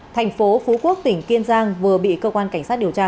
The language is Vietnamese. thành phố phú quốc tỉnh kiên giang vừa bị cơ quan cảnh sát điều tra